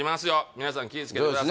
皆さん気いつけてください